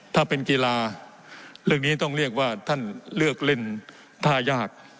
ถ้าเป็นกีฬาเรื่องนี้ต้องเรียกว่าท่านเลือกเล่นท่ายาก